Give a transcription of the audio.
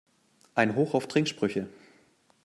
Ein Hoch auf Trinksprüche!